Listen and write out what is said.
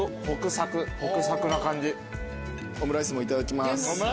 オムライスもいただきます。